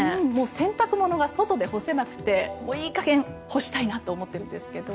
洗濯物が外で干せなくていい加減、干したいなと思っているんですけど。